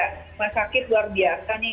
rumah sakit luar biasa nih